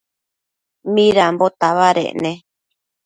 Midambo tabadec ne?